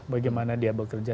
bagaimana dia bekerja